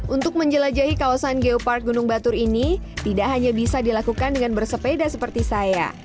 untuk menjelajahi kawasan geopark gunung batur ini tidak hanya bisa dilakukan dengan bersepeda seperti saya